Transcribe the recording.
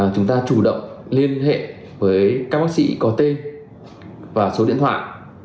chúng ta chủ động liên hệ với các bác sĩ có tên và số điện thoại